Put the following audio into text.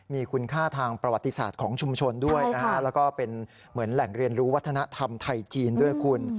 มีคุณค่าทางประวัติศาสตร์ของชุมชนด้วยนะฮะแล้วก็เป็นเหมือนแหล่งเรียนรู้วัฒนธรรมไทยจีนด้วยคุณ